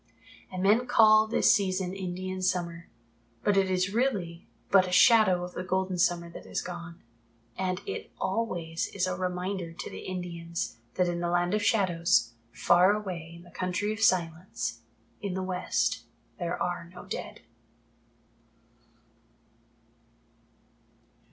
And men call this season Indian Summer, but it is really but a Shadow of the golden summer that has gone. And it always is a reminder to the Indians that in the Land of Shadows, far away in the Country of Silence in the West, there are no dead.